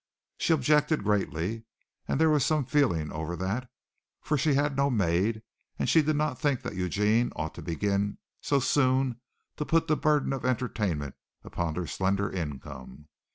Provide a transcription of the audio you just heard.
She objected greatly, and there was some feeling over that, for she had no maid and she did not think that Eugene ought to begin so soon to put the burden of entertainment upon their slender income.